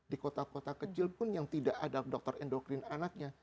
di kota kota kecil pun yang tidak ada dokter endokrin anaknya